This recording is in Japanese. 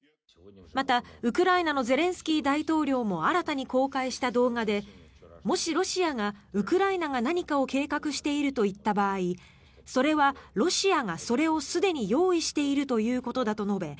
また、ウクライナのゼレンスキー大統領も新たに公開した動画でもし、ロシアがウクライナが何かを計画していると言った場合それはロシアがそれをすでに用意しているということだと述べ